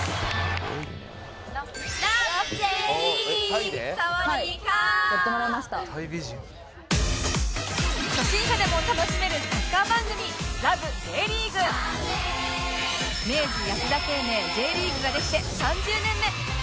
「タイ美人」初心者でも楽しめるサッカー番組明治安田生命 Ｊ リーグができて３０年目！